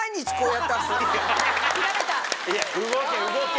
動け動け。